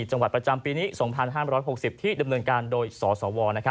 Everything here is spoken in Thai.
จังหวัดประจำปีนี้๒๕๖๐ที่ดำเนินการโดยสสว